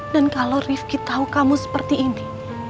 dan kalau rifki tahu kamu seperti ini